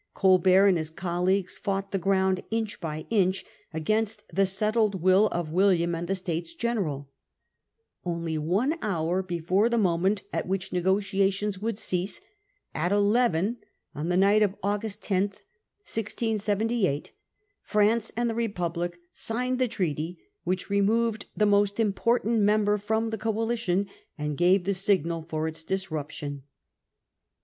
Colbert and his colleagues fought the ground inch by inch against the Peace settled will c i William and the States General. Franceand ^ nly one ^ our before the moment at which the Re negotiations would cease — at eleven on the August ii, night of August 10, 1678 — France and the 1678. Republic signed the treaty which removed the most important member from the coalition, and gave the signal for its disruption.